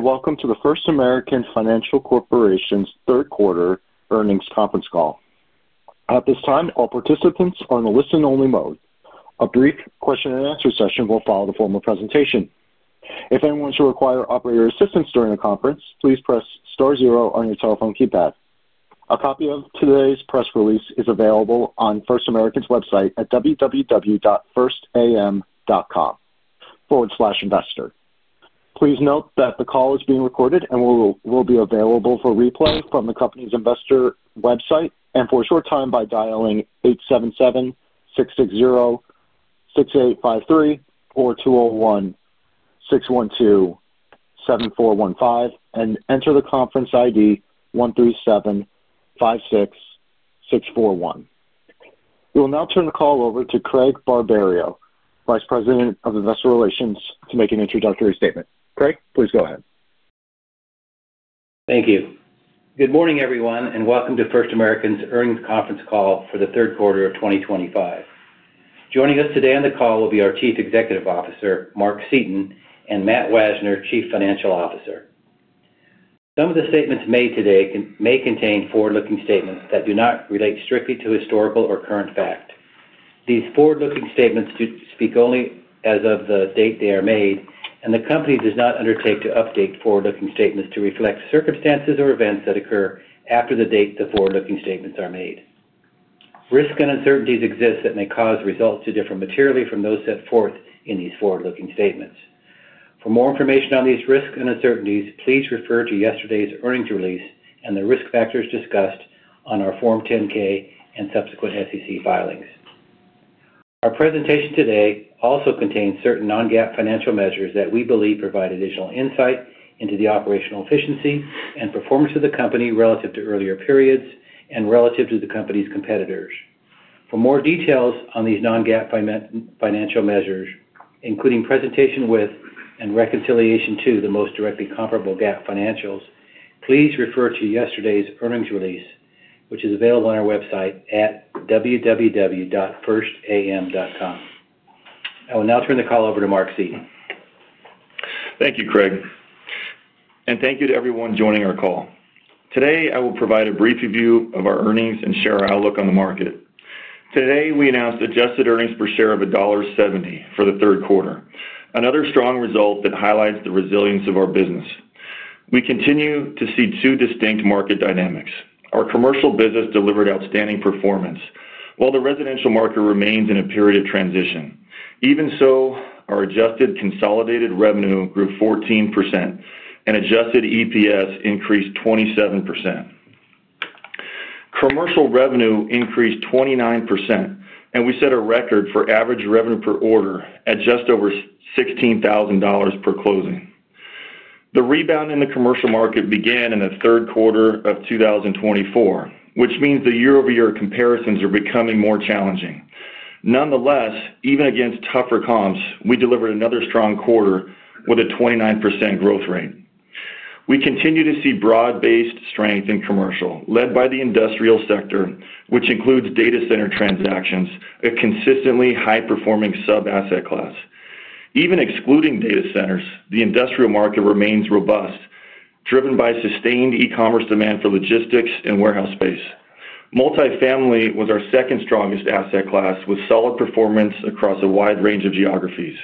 Welcome to the First American Financial Corporation's third quarter earnings conference call. At this time, all participants are in a listen-only mode. A brief question and answer session will follow the formal presentation. If anyone should require operator assistance during the conference, please press star zero on your telephone keypad. A copy of today's press release is available on First American's website at www.firstam.com/investor. Please note that the call is being recorded and will be available for replay from the company's investor website and for a short time by dialing 877-660-6853 or 201-612-7415 and entering the conference ID 137-56-641. We will now turn the call over to Craig Barberio, Vice President of Investor Relations, to make an introductory statement. Craig, please go ahead. Thank you. Good morning, everyone, and welcome to First American Financial Corporation's earnings conference call for the third quarter of 2025. Joining us today on the call will be our Chief Executive Officer, Mark Seaton, and Matt Wajner, Chief Financial Officer. Some of the statements made today may contain forward-looking statements that do not relate strictly to historical or current fact. These forward-looking statements speak only as of the date they are made, and the company does not undertake to update forward-looking statements to reflect circumstances or events that occur after the date the forward-looking statements are made. Risks and uncertainties exist that may cause results to differ materially from those set forth in these forward-looking statements. For more information on these risks and uncertainties, please refer to yesterday's earnings release and the risk factors discussed on our Form 10-K and subsequent SEC filings. Our presentation today also contains certain non-GAAP financial measures that we believe provide additional insight into the operational efficiency and performance of the company relative to earlier periods and relative to the company's competitors. For more details on these non-GAAP financial measures, including presentation with and reconciliation to the most directly comparable GAAP financials, please refer to yesterday's earnings release, which is available on our website at www.firstam.com. I will now turn the call over to Mark Seaton. Thank you, Craig. Thank you to everyone joining our call. Today, I will provide a brief review of our earnings and share our outlook on the market. Today, we announced adjusted earnings per share of $1.70 for the third quarter, another strong result that highlights the resilience of our business. We continue to see two distinct market dynamics. Our commercial business delivered outstanding performance, while the residential market remains in a period of transition. Even so, our adjusted consolidated revenue grew 14%, and adjusted EPS increased 27%. Commercial revenue increased 29%, and we set a record for average revenue per order at just over $16,000 per closing. The rebound in the commercial market began in the third quarter of 2024, which means the year-over-year comparisons are becoming more challenging. Nonetheless, even against tougher comps, we delivered another strong quarter with a 29% growth rate. We continue to see broad-based strength in commercial, led by the industrial sector, which includes data center transactions, a consistently high-performing sub-asset class. Even excluding data centers, the industrial market remains robust, driven by sustained e-commerce demand for logistics and warehouse space. Multifamily was our second strongest asset class, with solid performance across a wide range of geographies.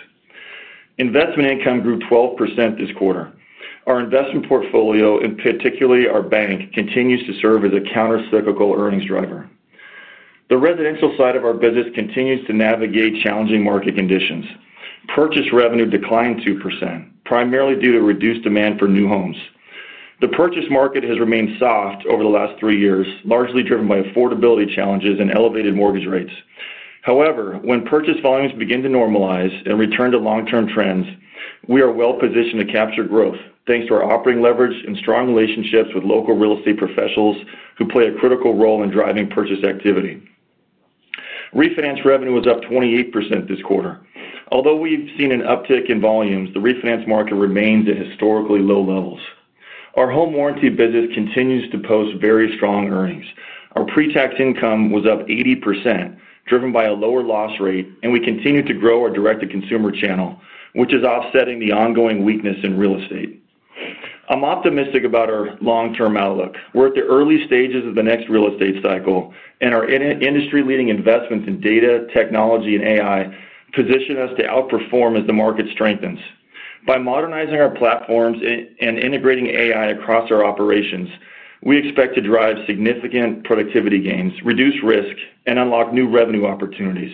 Investment income grew 12% this quarter. Our investment portfolio, and particularly our bank, continues to serve as a countercyclical earnings driver. The residential side of our business continues to navigate challenging market conditions. Purchase revenue declined 2%, primarily due to reduced demand for new homes. The purchase market has remained soft over the last three years, largely driven by affordability challenges and elevated mortgage rates. However, when purchase volumes begin to normalize and return to long-term trends, we are well-positioned to capture growth, thanks to our operating leverage and strong relationships with local real estate professionals who play a critical role in driving purchase activity. Refinance revenue was up 28% this quarter. Although we've seen an uptick in volumes, the refinance market remains at historically low levels. Our home warranty business continues to post very strong earnings. Our pre-tax income was up 80%, driven by a lower loss rate, and we continue to grow our direct-to-consumer channel, which is offsetting the ongoing weakness in real estate. I'm optimistic about our long-term outlook. We're at the early stages of the next real estate cycle, and our industry-leading investments in data, technology, and AI position us to outperform as the market strengthens. By modernizing our platforms and integrating AI across our operations, we expect to drive significant productivity gains, reduce risk, and unlock new revenue opportunities,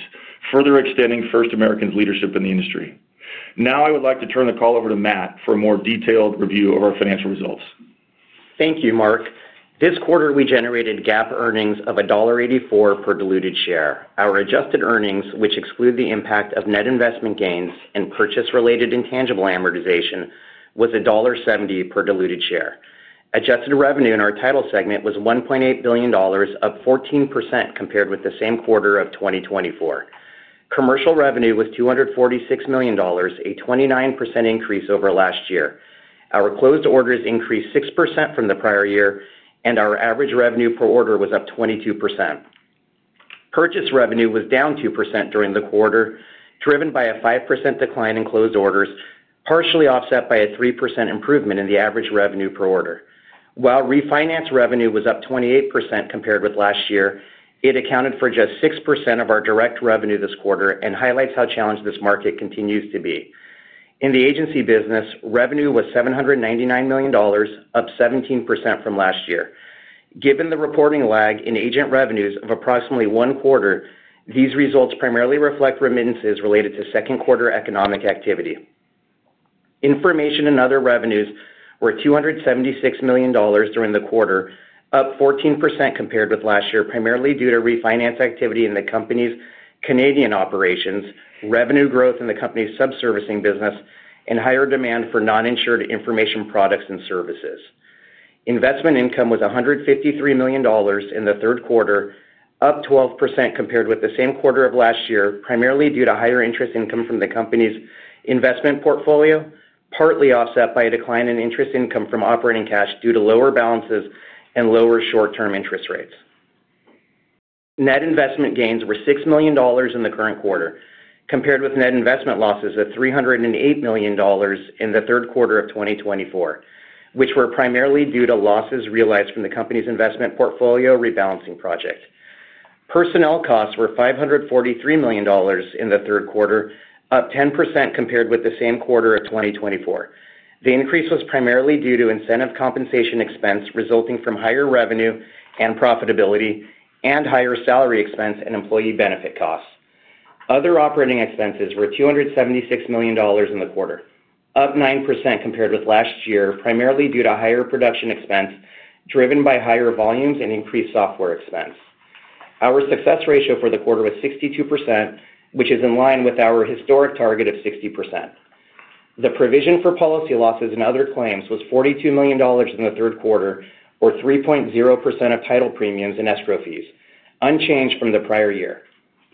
further extending First American's leadership in the industry. Now, I would like to turn the call over to Matt for a more detailed review of our financial results. Thank you, Mark. This quarter, we generated GAAP earnings of $1.84 per diluted share. Our adjusted earnings, which exclude the impact of net investment gains and purchase-related intangible amortization, was $1.70 per diluted share. Adjusted revenue in our title segment was $1.8 billion, up 14% compared with the same quarter of 2024. Commercial revenue was $246 million, a 29% increase over last year. Our closed orders increased 6% from the prior year, and our average revenue per order was up 22%. Purchase revenue was down 2% during the quarter, driven by a 5% decline in closed orders, partially offset by a 3% improvement in the average revenue per order. While refinance revenue was up 28% compared with last year, it accounted for just 6% of our direct revenue this quarter and highlights how challenged this market continues to be. In the agency business, revenue was $799 million, up 17% from last year. Given the reporting lag in agent revenues of approximately one quarter, these results primarily reflect remittances related to second-quarter economic activity. Information and other revenues were $276 million during the quarter, up 14% compared with last year, primarily due to refinance activity in the company's Canadian operations, revenue growth in the company's sub-servicing business, and higher demand for non-insured information products and services. Investment income was $153 million in the third quarter, up 12% compared with the same quarter of last year, primarily due to higher interest income from the company's investment portfolio, partly offset by a decline in interest income from operating cash due to lower balances and lower short-term interest rates. Net investment gains were $6 million in the current quarter, compared with net investment losses of $308 million in the third quarter of 2024, which were primarily due to losses realized from the company's investment portfolio rebalancing project. Personnel costs were $543 million in the third quarter, up 10% compared with the same quarter of 2024. The increase was primarily due to incentive compensation expense resulting from higher revenue and profitability and higher salary expense and employee benefit costs. Other operating expenses were $276 million in the quarter, up 9% compared with last year, primarily due to higher production expense driven by higher volumes and increased software expense. Our success ratio for the quarter was 62%, which is in line with our historic target of 60%. The provision for policy losses and other claims was $42 million in the third quarter, or 3.0% of title premiums and escrow fees, unchanged from the prior year.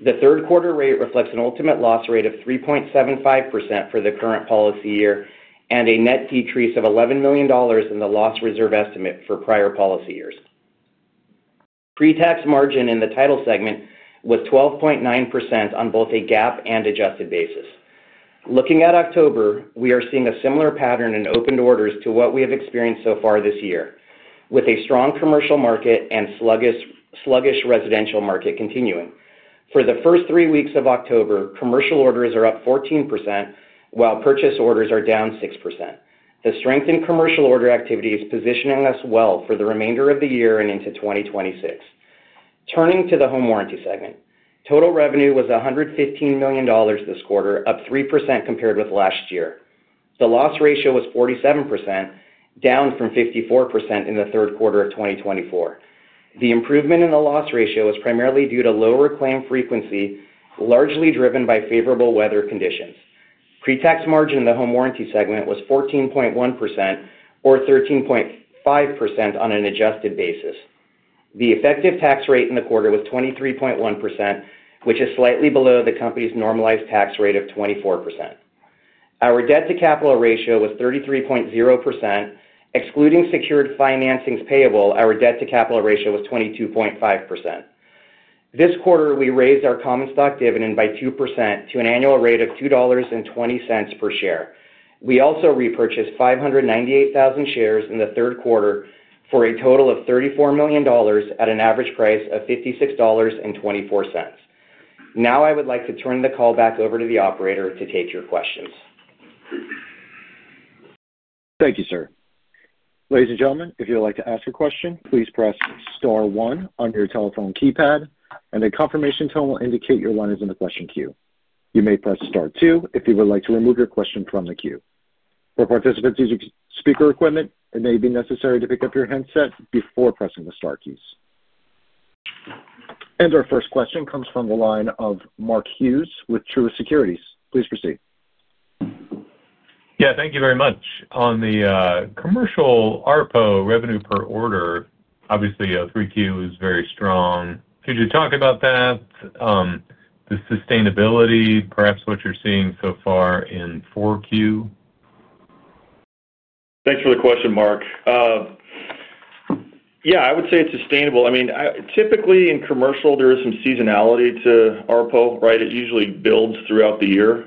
The third quarter rate reflects an ultimate loss rate of 3.75% for the current policy year and a net decrease of $11 million in the loss reserve estimate for prior policy years. Pre-tax margin in the title segment was 12.9% on both a GAAP and adjusted basis. Looking at October, we are seeing a similar pattern in opened orders to what we have experienced so far this year, with a strong commercial market and sluggish residential market continuing. For the first three weeks of October, commercial orders are up 14%, while purchase orders are down 6%. The strength in commercial order activity is positioning us well for the remainder of the year and into 2026. Turning to the home warranty segment, total revenue was $115 million this quarter, up 3% compared with last year. The loss ratio was 47%, down from 54% in the third quarter of 2024. The improvement in the loss ratio was primarily due to lower claim frequency, largely driven by favorable weather conditions. Pre-tax margin in the home warranty segment was 14.1%, or 13.5% on an adjusted basis. The effective tax rate in the quarter was 23.1%, which is slightly below the company's normalized tax rate of 24%. Our debt-to-capital ratio was 33.0%. Excluding secured financings payable, our debt-to-capital ratio was 22.5%. This quarter, we raised our common stock dividend by 2% to an annual rate of $2.20 per share. We also repurchased 598,000 shares in the third quarter for a total of $34 million at an average price of $56.24. Now, I would like to turn the call back over to the operator to take your questions. Thank you, sir. Ladies and gentlemen, if you would like to ask your question, please press star one on your telephone keypad. A confirmation tone will indicate your line is in the question queue. You may press star two if you would like to remove your question from the queue. For participants using speaker equipment, it may be necessary to pick up your headset before pressing the star keys. Our first question comes from the line of Mark Hughes with Truist Securities. Please proceed. Thank you very much. On the commercial ARPO, revenue per order, obviously, 3Q is very strong. Could you talk about that, the sustainability, perhaps what you're seeing so far in 4Q? Thanks for the question, Mark. Yeah, I would say it's sustainable. I mean, typically in commercial, there is some seasonality to ARPO, right? It usually builds throughout the year,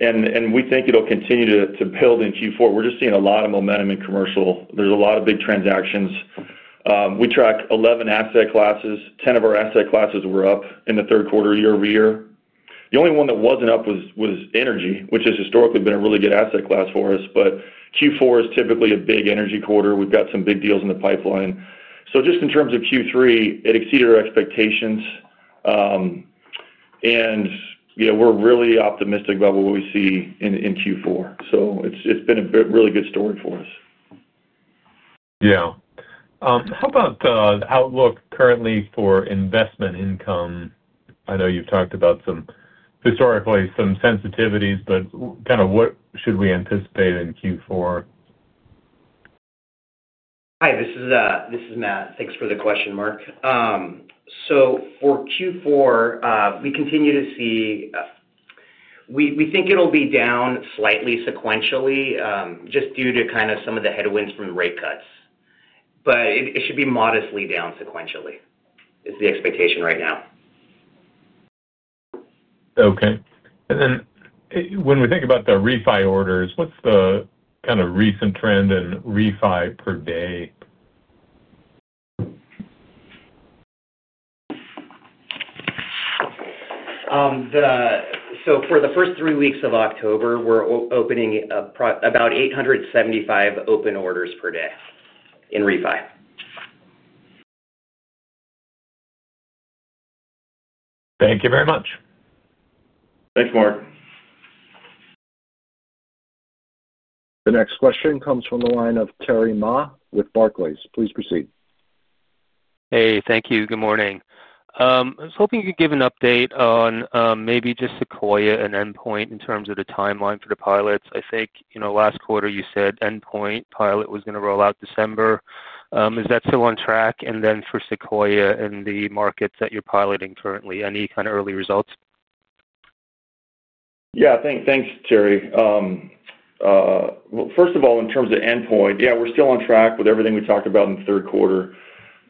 and we think it'll continue to build in Q4. We're just seeing a lot of momentum in commercial. There's a lot of big transactions. We track 11 asset classes. 10 of our asset classes were up in the third quarter, year over year. The only one that wasn't up was energy, which has historically been a really good asset class for us. Q4 is typically a big energy quarter. We've got some big deals in the pipeline. Just in terms of Q3, it exceeded our expectations. We're really optimistic about what we see in Q4. It's been a really good story for us. How about the outlook currently for investment income? I know you've talked about some historically, some sensitivities, but kind of what should we anticipate in Q4? Hi, this is Matt. Thanks for the question, Mark. For Q4, we continue to see we think it'll be down slightly sequentially just due to kind of some of the headwinds from the rate cuts. It should be modestly down sequentially, is the expectation right now. Okay, when we think about the refinance orders, what's the kind of recent trend in refi per day? For the first three weeks of October, we're opening about 875 open orders per day in refi. Thank you very much. Thanks, Mark. The next question comes from the line of Terry Ma with Barclays. Please proceed. Hey, thank you. Good morning. I was hoping you could give an update on maybe just Sequoia and Endpoint in terms of the timeline for the pilots. I think, you know, last quarter you said Endpoint pilot was going to roll out December. Is that still on track? For Sequoia and the markets that you're piloting currently, any kind of early results? Thank you, Terry. First of all, in terms of Endpoint, we are still on track with everything we talked about in the third quarter.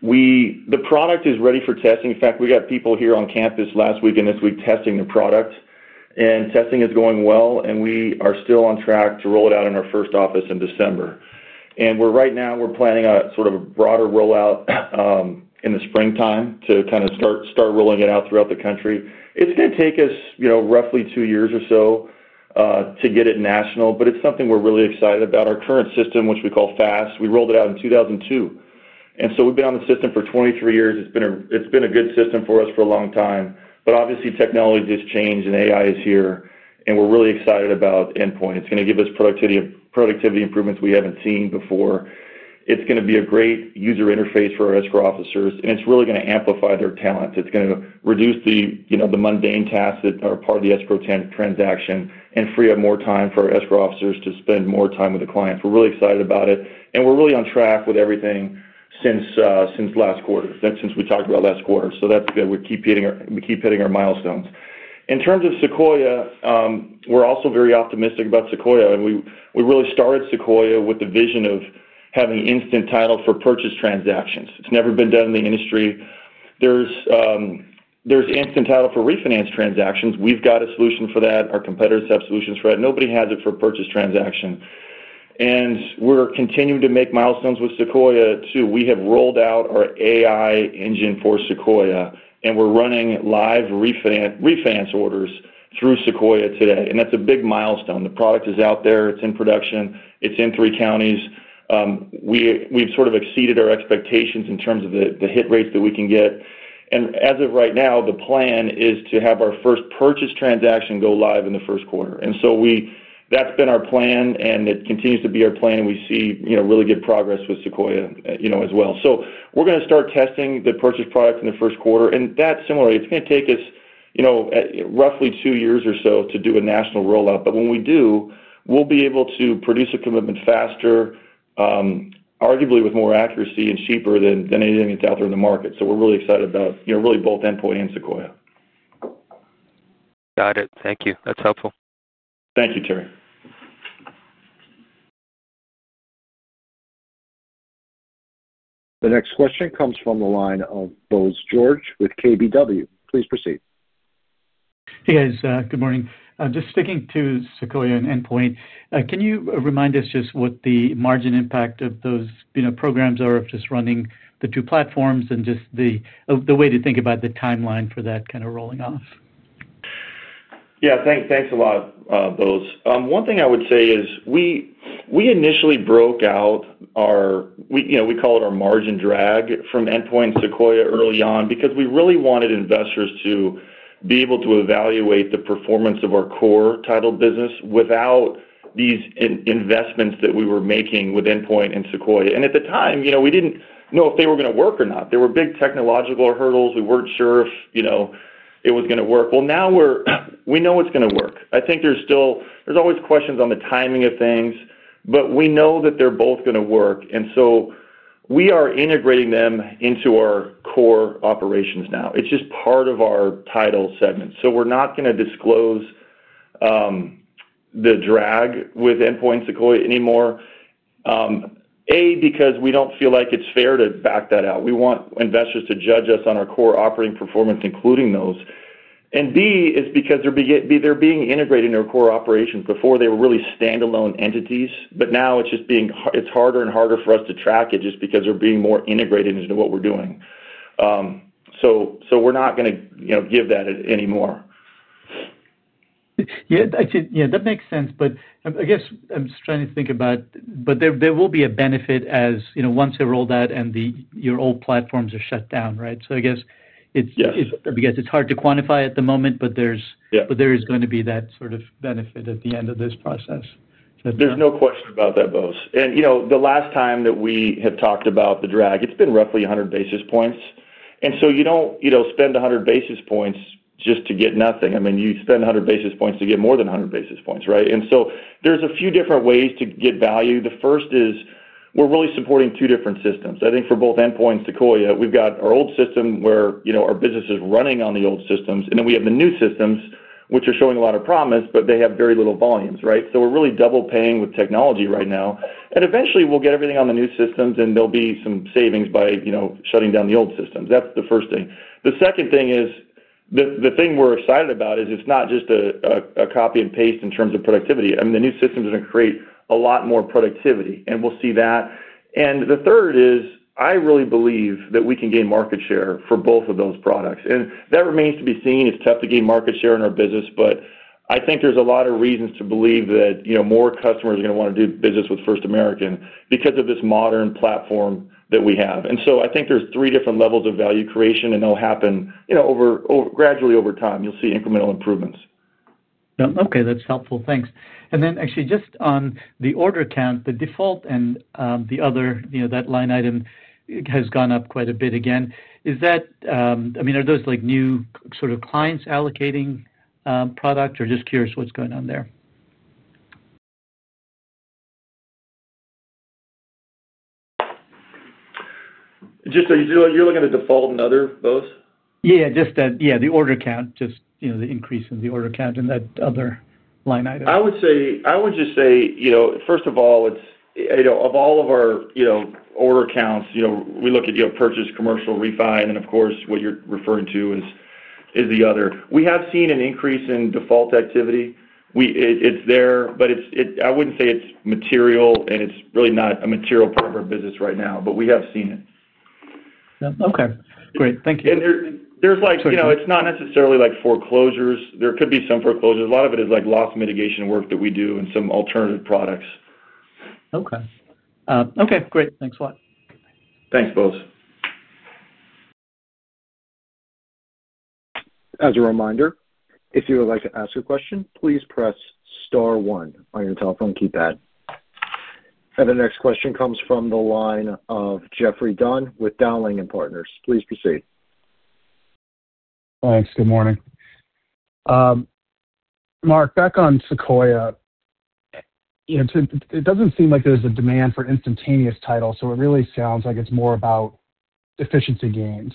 The product is ready for testing. In fact, we had people here on campus last week and this week testing the product. Testing is going well, and we are still on track to roll it out in our first office in December. Right now, we are planning on a broader rollout in the springtime to start rolling it out throughout the country. It is going to take us roughly two years or so to get it national, but it is something we are really excited about. Our current system, which we call FAST, we rolled it out in 2002, and so we have been on the system for 23 years. It has been a good system for us for a long time. Obviously, technology has changed and AI is here, and we are really excited about Endpoint. It is going to give us productivity improvements we have not seen before. It is going to be a great user interface for our escrow officers, and it is really going to amplify their talents. It is going to reduce the mundane tasks that are part of the escrow transaction and free up more time for our escrow officers to spend more time with the clients. We are really excited about it, and we are really on track with everything since last quarter, since we talked about last quarter. That is good. We keep hitting our milestones. In terms of Sequoia, we are also very optimistic about Sequoia. We really started Sequoia with the vision of having instant title for purchase transactions. It has never been done in the industry. There is instant title for refinance transactions. We have got a solution for that. Our competitors have solutions for that. Nobody has it for purchase transactions. We are continuing to make milestones with Sequoia too. We have rolled out our AI engine for Sequoia, and we are running live refinance orders through Sequoia today. That is a big milestone. The product is out there, it is in production, it is in three counties. We have exceeded our expectations in terms of the hit rates that we can get. As of right now, the plan is to have our first purchase transaction go live in the first quarter, and that has been our plan and it continues to be our plan. We see really good progress with Sequoia as well. We are going to start testing the purchase product in the first quarter, and similarly, it is going to take us roughly two years or so to do a national rollout. When we do, we will be able to produce a commitment faster, arguably with more accuracy and cheaper than anything that is out there in the market. We are really excited about both Endpoint and Sequoia. Got it. Thank you. That's helpful. Thank you, Terry. The next question comes from the line of Bose George with KBW. Please proceed. Hey, guys. Good morning. Just sticking to Sequoia and Endpoint, can you remind us just what the margin impact of those programs are, of just running the two platforms, and just the way to think about the timeline for that kind of rolling off? Yeah, thanks a lot, Bose. One thing I would say is we initially broke out our, you know, we call it our margin drag from Endpoint and Sequoia early on because we really wanted investors to be able to evaluate the performance of our core title business without these investments that we were making with Endpoint and Sequoia. At the time, you know, we didn't know if they were going to work or not. There were big technological hurdles. We weren't sure if, you know, it was going to work. Now we know it's going to work. I think there's still, there's always questions on the timing of things, but we know that they're both going to work. We are integrating them into our core operations now. It's just part of our title segment. We're not going to disclose the drag with Endpoint and Sequoia anymore. A, because we don't feel like it's fair to back that out. We want investors to judge us on our core operating performance, including those. B, is because they're being integrated into our core operations. Before, they were really standalone entities, but now it's just being, it's harder and harder for us to track it just because they're being more integrated into what we're doing. We're not going to, you know, give that anymore. Yeah, that makes sense. I guess I'm just trying to think about, there will be a benefit as, you know, once they rolled out and your old platforms are shut down, right? I guess it's hard to quantify at the moment, but there's going to be that sort of benefit at the end of this process. There's no question about that, Bose. The last time that we have talked about the drag, it's been roughly 100 basis points. You don't spend 100 basis points just to get nothing. You spend 100 basis points to get more than 100 basis points, right? There are a few different ways to get value. The first is we're really supporting two different systems. I think for both Endpoint and Sequoia, we've got our old system where our business is running on the old systems, and then we have the new systems, which are showing a lot of promise, but they have very little volumes, right? We're really double paying with technology right now. Eventually, we'll get everything on the new systems, and there will be some savings by shutting down the old systems. That's the first thing. The second thing is the thing we're excited about is it's not just a copy and paste in terms of productivity. The new system is going to create a lot more productivity, and we'll see that. The third is I really believe that we can gain market share for both of those products, and that remains to be seen. It's tough to gain market share in our business, but I think there's a lot of reasons to believe that more customers are going to want to do business with First American Financial Corporation because of this modern platform that we have. I think there's three different levels of value creation, and they'll happen gradually over time. You'll see incremental improvements. Okay, that's helpful. Thanks. Actually, just on the order count, the default and the other, you know, that line item has gone up quite a bit again. Is that, I mean, are those like new sort of clients allocating product? Just curious what's going on there. Just so you're looking at default and other, Bose? Yeah, the order count, just the increase in the order count and that other line item. I would just say, first of all, of all of our order counts, we look at purchase, commercial, refi, and then of course, what you're referring to is the other. We have seen an increase in default activity. It's there, but I wouldn't say it's material, and it's really not a material part of our business right now, but we have seen it. Okay, great. Thank you. It is not necessarily like foreclosures. There could be some foreclosures. A lot of it is loss mitigation work that we do and some alternative products. Okay, great. Thanks a lot. Thanks, Bose. As a reminder, if you would like to ask a question, please press star one on your telephone keypad. The next question comes from the line of Geoffrey Dunn with Dowling & Partners. Please proceed. Thanks. Good morning. Mark, back on Sequoia, you know, it doesn't seem like there's a demand for instantaneous title. It really sounds like it's more about efficiency gains.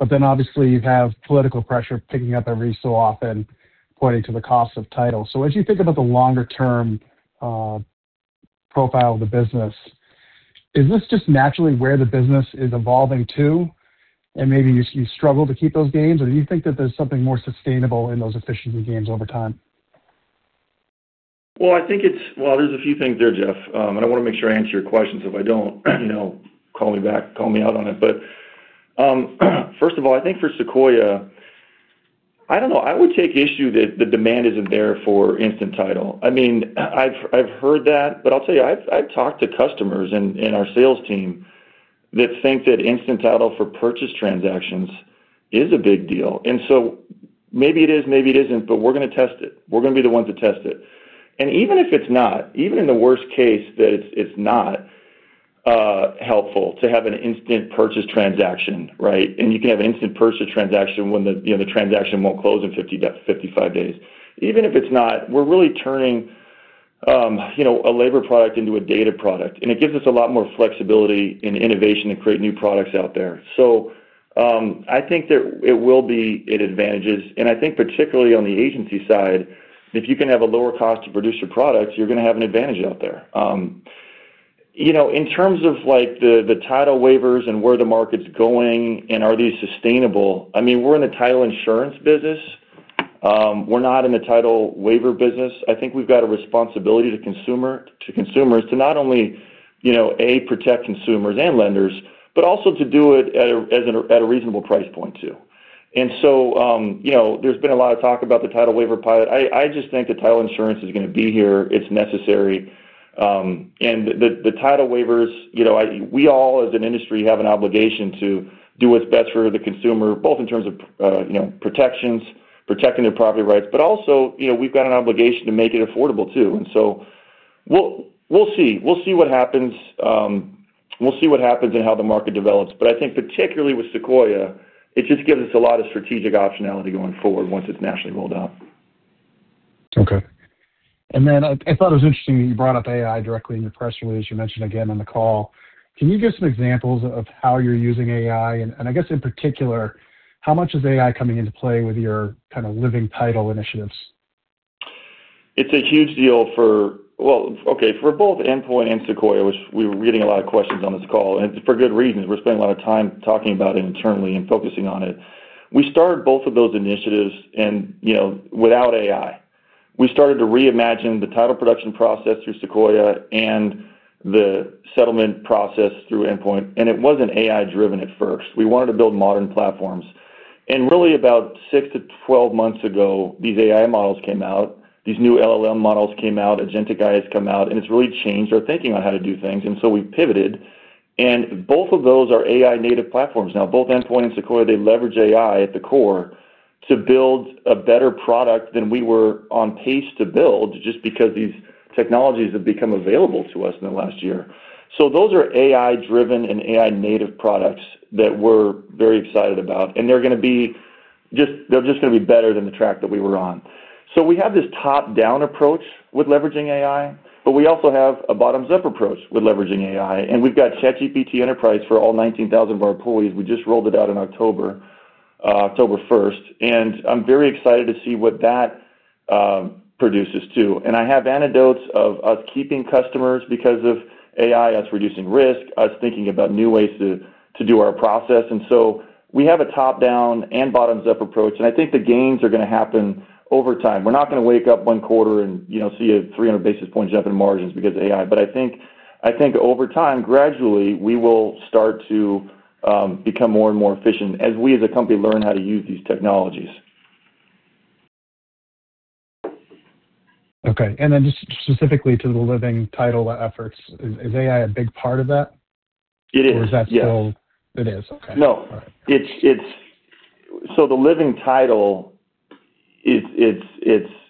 Obviously, you have political pressure picking up every so often, pointing to the cost of title. As you think about the longer-term profile of the business, is this just naturally where the business is evolving to? Maybe you struggle to keep those gains, or do you think that there's something more sustainable in those efficiency gains over time? I think there are a few things there, Jeff. I want to make sure I answer your questions. If I do not, call me back, call me out on it. First of all, I think for Sequoia, I do not know. I would take issue that the demand is not there for instant title. I have heard that, but I will tell you, I have talked to customers and our sales team that think that instant title for purchase transactions is a big deal. Maybe it is, maybe it is not, but we are going to test it. We are going to be the ones to test it. Even if it is not, even in the worst case that it is not helpful to have an instant purchase transaction, right? You can have an instant purchase transaction when the transaction will not close in 55 days. Even if it is not, we are really turning a labor product into a data product. It gives us a lot more flexibility and innovation to create new products out there. I think that it will be an advantage. I think particularly on the agency side, if you can have a lower cost to produce your products, you are going to have an advantage out there. In terms of the title waivers and where the market is going and whether these are sustainable, we are in the title insurance business. We are not in the title waiver business. I think we have got a responsibility to consumers to not only protect consumers and lenders, but also to do it at a reasonable price point too. There has been a lot of talk about the title waiver pilot. I just think that title insurance is going to be here. It is necessary. The title waivers, we all as an industry have an obligation to do what is best for the consumer, both in terms of protections, protecting their property rights, but also we have got an obligation to make it affordable too. We will see what happens and how the market develops. I think particularly with Sequoia, it just gives us a lot of strategic optionality going forward once it is nationally rolled out. Okay. I thought it was interesting that you brought up AI directly in your press release. You mentioned it again on the call. Can you give some examples of how you're using AI? I guess in particular, how much is AI coming into play with your kind of living title initiatives? It's a huge deal for both Endpoint and Sequoia, which we were getting a lot of questions on this call. It's for good reason. We're spending a lot of time talking about it internally and focusing on it. We started both of those initiatives without AI. We started to reimagine the title production process through Sequoia and the settlement process through Endpoint. It wasn't AI-driven at first. We wanted to build modern platforms. About 6 to 12 months ago, these AI models came out. These new LLM models came out. Agentic AIs came out. It's really changed our thinking on how to do things. We pivoted, and both of those are AI-native platforms now. Both Endpoint and Sequoia leverage AI at the core to build a better product than we were on pace to build just because these technologies have become available to us in the last year. Those are AI-driven and AI-native products that we're very excited about. They're just going to be better than the track that we were on. We have this top-down approach with leveraging AI, but we also have a bottoms-up approach with leveraging AI. We've got ChatGPT Enterprise for all 19,000 of our employees. We just rolled it out in October, October 1st. I'm very excited to see what that produces too. I have anecdotes of us keeping customers because of AI, us reducing risk, us thinking about new ways to do our process. We have a top-down and bottoms-up approach. I think the gains are going to happen over time. We're not going to wake up one quarter and see a 300 bps jump in margins because of AI. I think over time, gradually, we will start to become more and more efficient as we as a company learn how to use these technologies. Okay. Just specifically to the living title efforts, is AI a big part of that? It is. Is that still? Yeah. It is okay. No, it's, it's, so the living title, it is,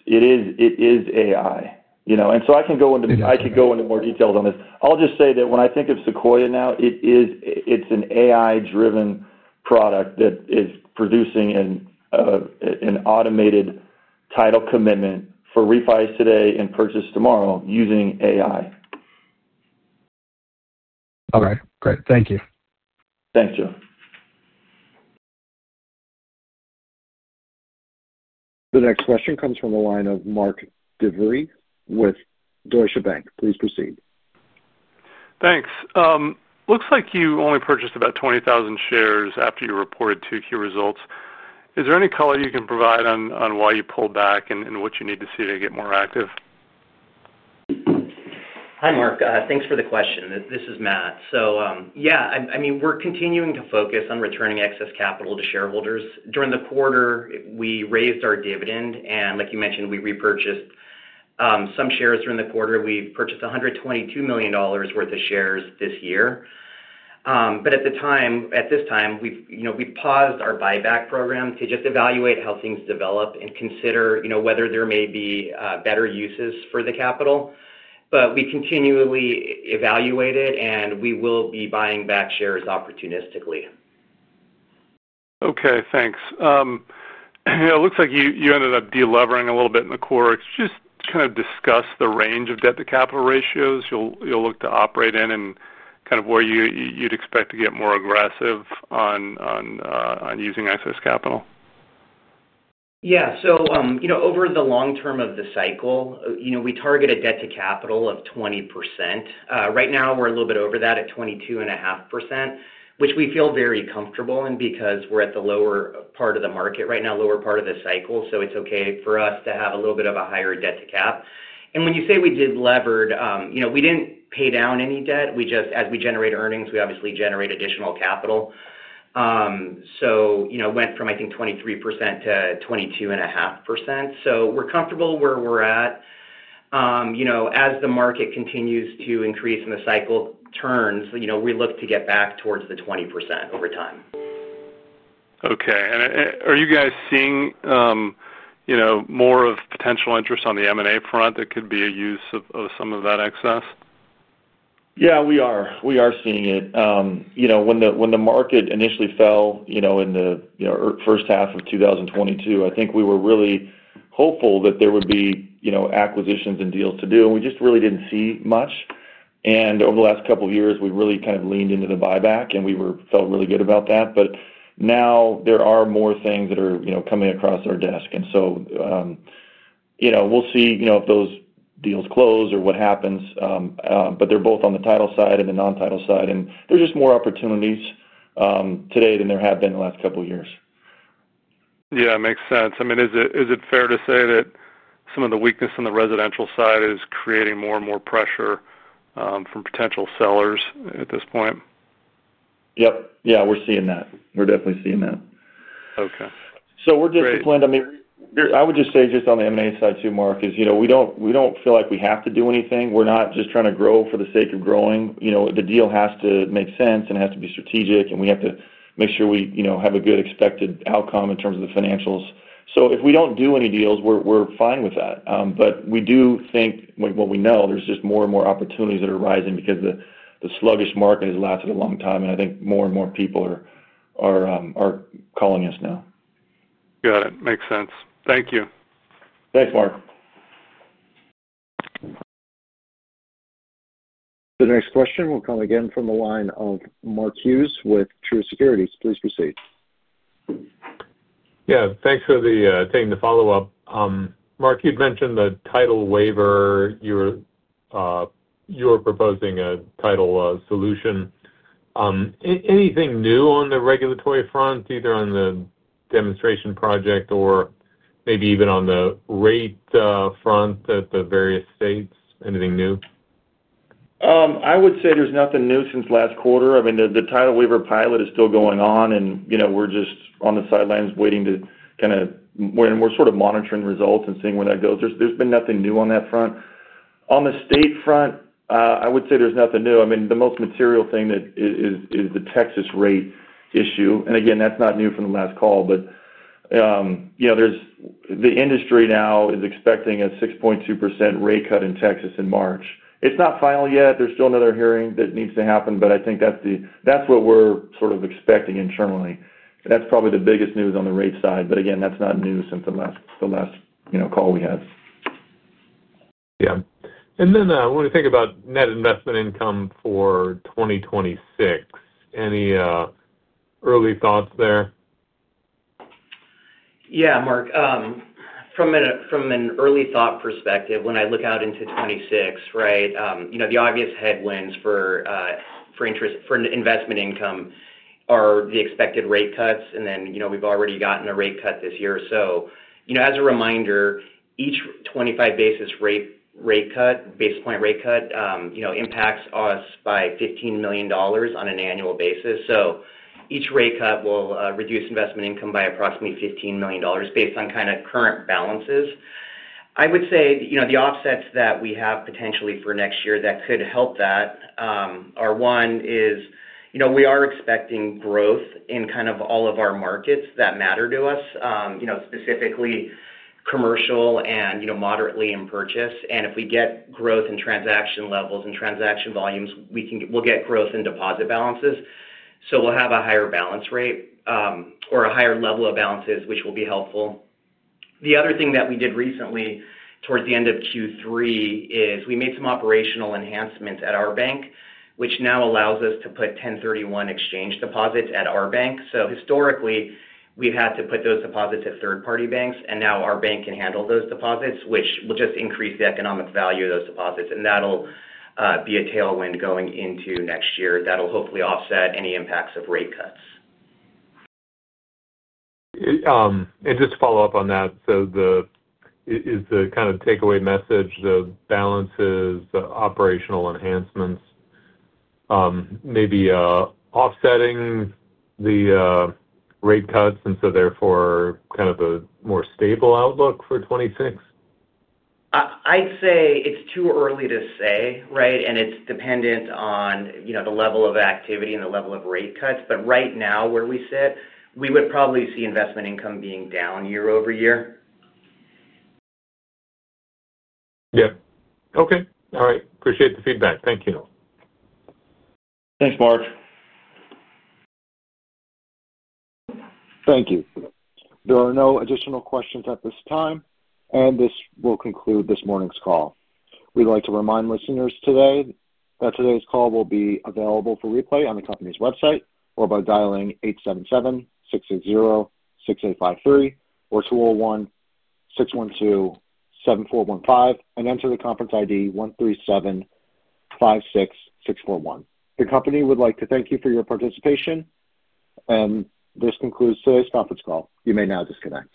it is AI. You know, and I can go into, I could go into more details on this. I'll just say that when I think of Sequoia now, it is, it's an AI-driven product that is producing an automated title commitment for refis today and purchase tomorrow using AI. All right. Great. Thank you. Thanks, Jeff. The next question comes from the line of Mark DeVries with Deutsche Bank. Please proceed. Thanks. Looks like you only purchased about 20,000 shares after you reported 2Q results. Is there any color you can provide on why you pulled back and what you need to see to get more active? Hi, Mark. Thanks for the question. This is Matt. We're continuing to focus on returning excess capital to shareholders. During the quarter, we raised our dividend. Like you mentioned, we repurchased some shares during the quarter. We purchased $122 million worth of shares this year. At this time, we've paused our buyback program to evaluate how things develop and consider whether there may be better uses for the capital. We continually evaluate it, and we will be buying back shares opportunistically. Okay. Thanks. Yeah, it looks like you ended up delevering a little bit in the quarter. Could you just discuss the range of debt-to-capital ratios you'll look to operate in and where you'd expect to get more aggressive on using excess capital? Yeah. Over the long term of the cycle, we target a debt-to-capital of 20%. Right now, we're a little bit over that at 22.5%, which we feel very comfortable in because we're at the lower part of the market right now, lower part of the cycle. It's okay for us to have a little bit of a higher debt-to-cap. When you say we did levered, we didn't pay down any debt. We just, as we generate earnings, we obviously generate additional capital. It went from, I think, 23% to 22.5%. We're comfortable where we're at. As the market continues to increase and the cycle turns, we look to get back towards the 20% over time. Are you guys seeing more of potential interest on the M&A front that could be a use of some of that excess? We are seeing it. When the market initially fell in the first half of 2022, I think we were really hopeful that there would be acquisitions and deals to do. We just really didn't see much. Over the last couple of years, we really kind of leaned into the buyback, and we felt really good about that. Now there are more things that are coming across our desk. We'll see if those deals close or what happens. They're both on the title side and the non-title side. There's just more opportunities today than there have been in the last couple of years. Yeah, it makes sense. I mean, is it fair to say that some of the weakness on the residential side is creating more and more pressure from potential sellers at this point? Yeah, we're seeing that. We're definitely seeing that. Okay. We're disciplined. I would just say on the M&A side too, Mark, we don't feel like we have to do anything. We're not just trying to grow for the sake of growing. The deal has to make sense and it has to be strategic. We have to make sure we have a good expected outcome in terms of the financials. If we don't do any deals, we're fine with that. We do think what we know, there's just more and more opportunities that are rising because the sluggish market has lasted a long time. I think more and more people are calling us now. Got it. Makes sense. Thank you. Thanks, Mark. The next question will come again from the line of Mark Hughes with Truist Securities. Please proceed. Yeah, thanks for taking the follow-up. Mark, you'd mentioned the title waiver. You were proposing a title solution. Anything new on the regulatory front, either on the demonstration project or maybe even on the rate front at the various states? Anything new? I would say there's nothing new since last quarter. The title waiver pilot is still going on. We're just on the sidelines waiting to kind of, we're sort of monitoring results and seeing where that goes. There's been nothing new on that front. On the state front, I would say there's nothing new. The most material thing is the Texas rate issue. That's not new from the last call. The industry now is expecting a 6.2% rate cut in Texas in March. It's not final yet. There's still another hearing that needs to happen. I think that's what we're sort of expecting internally. That's probably the biggest news on the rate side. That's not new since the last call we had. When we think about net investment income for 2026, any early thoughts there? Yeah, Mark. From an early thought perspective, when I look out into 2026, the obvious headwinds for interest for investment income are the expected rate cuts. We've already gotten a rate cut this year. As a reminder, each 25 basis point rate cut impacts us by $15 million on an annual basis. Each rate cut will reduce investment income by approximately $15 million based on current balances. The offsets that we have potentially for next year that could help that are, one, we are expecting growth in all of our markets that matter to us, specifically commercial and moderately in purchase. If we get growth in transaction levels and transaction volumes, we'll get growth in deposit balances. We'll have a higher balance rate, or a higher level of balances, which will be helpful. The other thing that we did recently towards the end of Q3 is we made some operational enhancements at our bank, which now allows us to put 1031 exchange deposits at our bank. Historically, we've had to put those deposits at third-party banks. Now our bank can handle those deposits, which will just increase the economic value of those deposits. That'll be a tailwind going into next year that'll hopefully offset any impacts of rate cuts. Is the kind of takeaway message the balances, the operational enhancements may be offsetting the rate cuts and therefore kind of a more stable outlook for 2026? I'd say it's too early to say, right? It's dependent on the level of activity and the level of rate cuts. Right now, where we sit, we would probably see investment income being down year over year. Okay. All right. Appreciate the feedback. Thank you. Thanks, Mark. Thank you. There are no additional questions at this time. This will conclude this morning's call. We'd like to remind listeners that today's call will be available for replay on the company's website or by dialing 877-680-6853 or 201-612-7415 and entering the conference ID 137-56-641. The company would like to thank you for your participation. This concludes today's conference call. You may now disconnect.